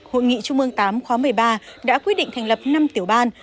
hội nghị trung ương viii khóa một mươi ba đã quyết định thành lập năm tiểu ban